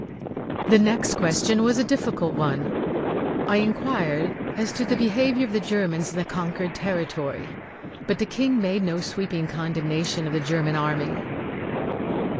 The next question was a difficult one. I inquired as to the behaviour of the Germans in the conquered territory; but the King made no sweeping condemnation of the German Army.